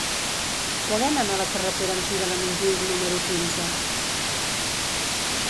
Què venen a la carretera Antiga de Montjuïc número quinze?